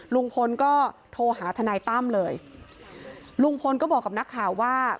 ลุงพลก็โทรหาทนายตั้มเลยลุงพลก็บอกกับนักข่าวว่า